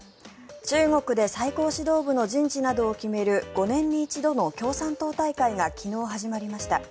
中国で最高指導部の人事などを決める５年に一度の共産党大会が昨日、始まりました。